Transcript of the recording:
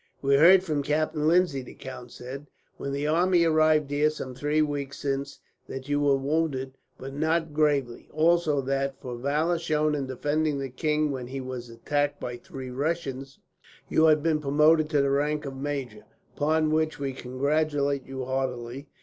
"We heard from Captain Lindsay," the count said, "when the army arrived here, some three weeks since, that you were wounded, but not gravely; also, that for valour shown in defending the king, when he was attacked by three Russians, you had been promoted to the rank of major, upon which we congratulate you heartily.